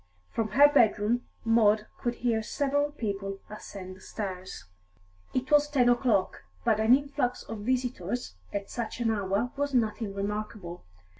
From her bedroom Maud could hear several people ascend the stairs. It was ten o'clock, but an influx of visitors at such an hour was nothing remarkable.